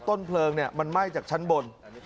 ต้นเพลิงมันไหม้จากชั้นบน